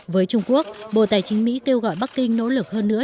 với trung quốc bộ tài chính mỹ kêu gọi bắc kinh nỗ lực hơn nữa